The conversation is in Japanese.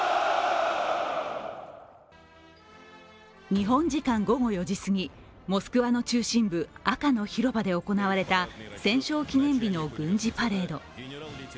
日本時間午後４時過ぎ、モスクワの中心部、赤の広場で行われた戦勝記念日の軍事パレード。